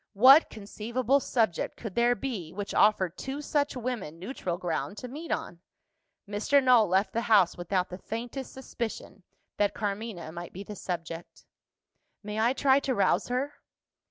What conceivable subject could there be, which offered two such women neutral ground to meet on? Mr. Null left the house without the faintest suspicion that Carmina might be the subject. "May I try to rouse her?"